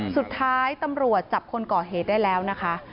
สุดท้ายตำรวจจับคนก่อเหตุได้แล้วนะคะ